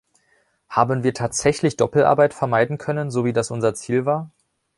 Haben wir tatsächlich Doppelarbeit vermeiden können, so wie das unser Ziel war?